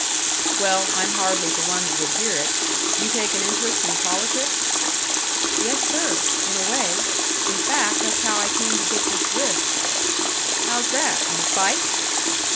"Well, I'm hardly the one that would hear it. You take an interest in politics?" "Yes, sir in a way. In fact, that's how I came to get this wrist." "How's that? In a fight?"